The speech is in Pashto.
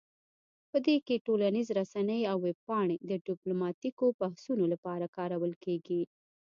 په دې کې ټولنیز رسنۍ او ویب پاڼې د ډیپلوماتیکو بحثونو لپاره کارول کیږي